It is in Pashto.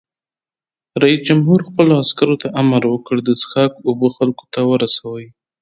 رئیس جمهور خپلو عسکرو ته امر وکړ؛ د څښاک اوبه خلکو ته ورسوئ!